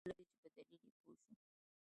بغیر له دې چې په دلیل یې پوه شوو.